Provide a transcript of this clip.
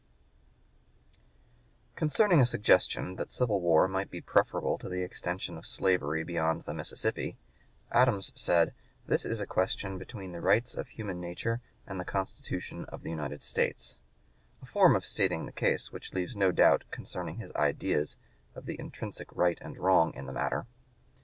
Concerning a suggestion that civil war might be preferable to the extension of slavery beyond the Mississippi, Adams said: "This is a question between the rights of human nature and the Constitution of the United States" a form of stating the case which leaves no doubt concerning his ideas of the intrinsic right and wrong in the matter.